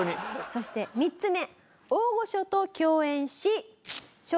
そして３つ目。